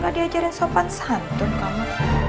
gak diajarin sopan santun kamu